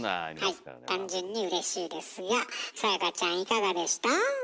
はい単純にうれしいですが彩ちゃんいかがでした？